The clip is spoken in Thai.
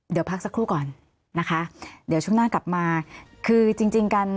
เดี๋ยวพักสักครู่ก่อนนะคะเดี๋ยวช่วงหน้ากลับมาคือจริงจริงกัน